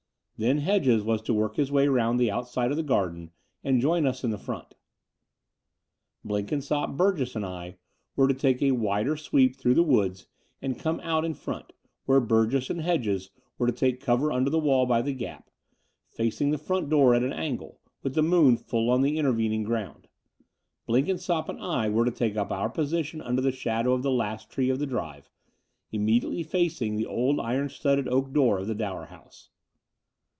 Then Hedges was to work his way round the outside of the garden and join us in. the front. Blenkinsopp, Burgess, and I were to take a wider sweep through the woods and come out in front, where Burgess and Hedges were to take cover under the wall by the gap, facing the front door at an angle, with the moon full on the inter vening ground. Blenkinsopp and I were to take up our position under the shadow of the last tree of the drive, immediately facing the old iron studded oak door of the Dower House.